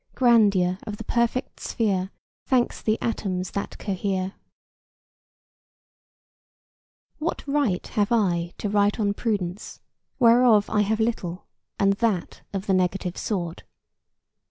Grandeur of the perfect sphere Thanks the atoms that cohere. PRUDENCE What right have I to write on Prudence, whereof I have Little, and that of the negative sort?